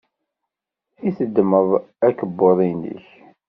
I teddmeḍ akebbuḍ-nnek?